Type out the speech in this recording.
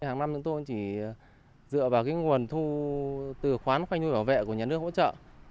hàng năm chúng tôi chỉ dựa vào cái nguồn thu từ khoán khoanh nhu bảo vệ của nhà nước hỗ trợ